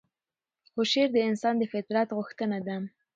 خو شعر د انسان د فطرت غوښتنه ده.